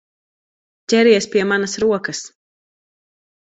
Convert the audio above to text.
Ķeries pie manas rokas!